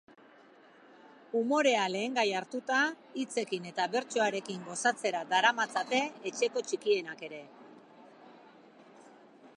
Umorea lehengai hartuta, hitzekin eta bertsoarekin gozatzera daramatzate etxeko txikienak ere.